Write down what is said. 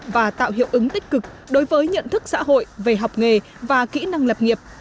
và tạo hiệu ứng tích cực đối với nhận thức xã hội về học nghề và kỹ năng lập nghiệp